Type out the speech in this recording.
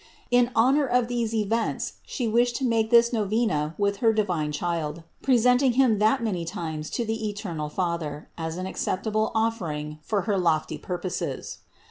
In honor of these events She wished to make this novena with her divine Child, presenting Him that many times to the eternal Father as an ac ceptable offering for her lofty purposes.